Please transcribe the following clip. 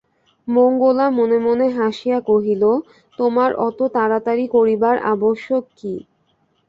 মঙ্গলা মনে মনে হাসিয়া কহিল, তোমার অত তাড়াতাড়ি করিবার আবশ্যক কী?